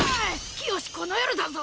清しこの夜だぞ！